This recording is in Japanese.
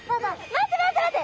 待って待って待って！